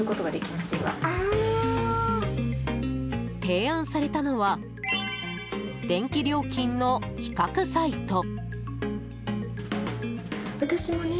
提案されたのは電気料金の比較サイト。